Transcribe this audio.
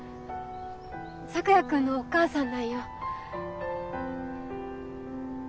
朔也君のお母さんなんよ